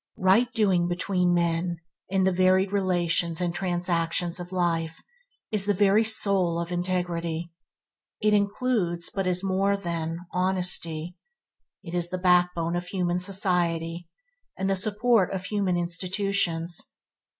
Right doing between man and main in the varied relations and transactions of life is the very soul of integrity. It includes, but is more than, honesty. It is the backbone of human society, and the support of human institutions.